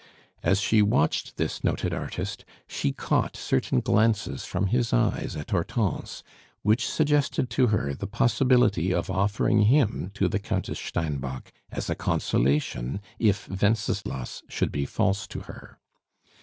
As she watched this noted artist, she caught certain glances from his eyes at Hortense, which suggested to her the possibility of offering him to the Countess Steinbock as a consolation if Wenceslas should be false to her.